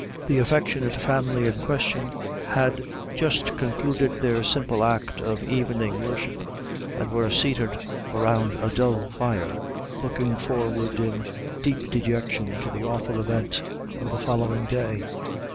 The affectionate family in question had just concluded their simple act of evening worship, and were seated around a dull fire, looking forward in deep dejection to the awful event of the following day.